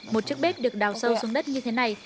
một chiếc bếp được đào sâu xuống đất như thế này